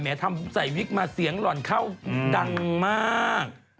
ทำใส่วิกมาเสียงหล่อนเข้าดังมาก